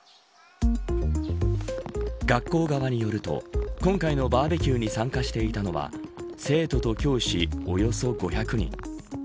学校側によると今回のバーベキューに参加していたのは生徒と教師およそ５００人。